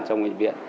trong ngành viện